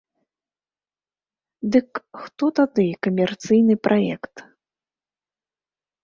Дык хто тады камерцыйны праект?